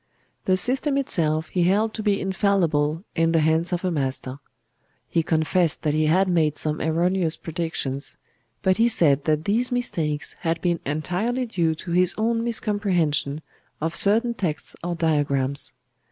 The system itself he held to be infallible in the hands of a master. He confessed that he had made some erroneous predictions; but he said that these mistakes had been entirely due to his own miscomprehension of certain texts or diagrams.